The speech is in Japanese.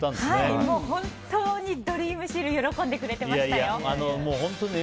本当にドリームシール喜んでくれてましたよ。